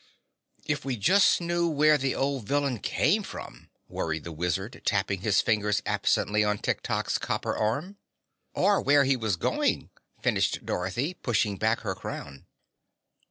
"If we just knew where the old villain came from," worried the Wizard, tapping his fingers absently on Tik Tok's copper arm. "Or where he was going," finished Dorothy, pushing back her crown.